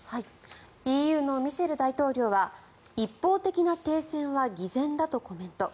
ＥＵのミシェル大統領は一方的な停戦は偽善だとコメント。